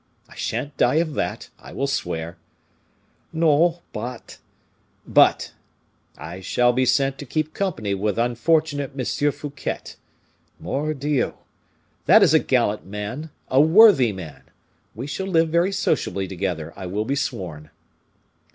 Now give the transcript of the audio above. I shan't die of that, I will swear." "No, but " "But I shall be sent to keep company with unfortunate M. Fouquet. Mordioux! That is a gallant man, a worthy man! We shall live very sociably together, I will be sworn."